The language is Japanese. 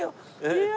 いや。